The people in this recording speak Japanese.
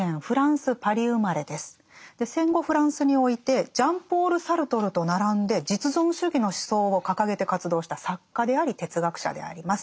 戦後フランスにおいてジャン＝ポール・サルトルと並んで実存主義の思想を掲げて活動した作家であり哲学者であります。